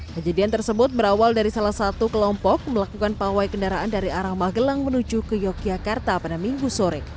kejadian tersebut berawal dari salah satu kelompok melakukan pawai kendaraan dari arah magelang menuju ke yogyakarta pada minggu sore